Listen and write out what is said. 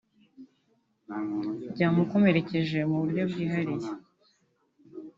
byamukomerekeje mu buryo bwihariye